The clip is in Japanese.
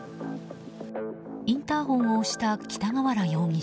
インターホンを押した北河原容疑者。